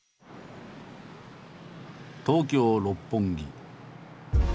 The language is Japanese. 東京六本木。